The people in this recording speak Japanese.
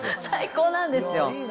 最高なんですよ。